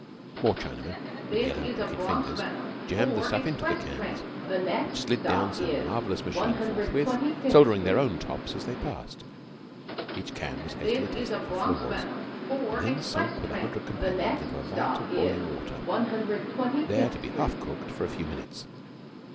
More Chinamen, with yellow, crooked fingers, jammed the stuff into the cans, which slid down some marvellous machine forthwith, soldering their own tops as they passed. Each can was hastily tested for flaws, and then sunk with a hundred companions into a vat of boiling water, there to be half cooked for a few minutes.